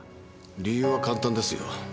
理由は簡単ですよ。